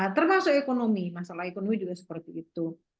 termasuk ekonomi masalah ekonomi juga seperti itu